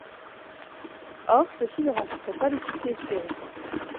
Or, ceux-ci ne rencontrent pas le succès espéré.